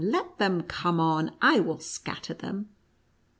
— let them come on ! I "will scatter them